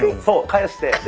そう返して。